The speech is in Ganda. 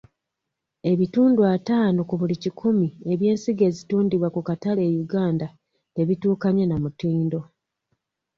Ebitundu ataano ku buli kikumi eby'ensigo ezitundibwa ku katale e Uganda tebituukanye na mutindo.